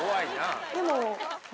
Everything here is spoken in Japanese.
でも。